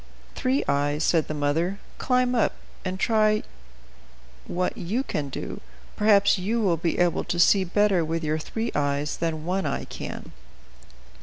"Three Eyes," said the mother, "climb up, and try what you can do; perhaps you will be able to see better with your three eyes than One Eye can."